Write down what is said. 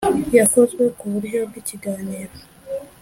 yakozwe ku buryo bw’ikiganiro